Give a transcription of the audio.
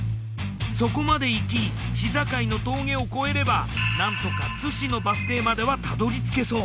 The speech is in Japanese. そこまで行き市境の峠を越えればなんとか津市のバス停まではたどりつけそう。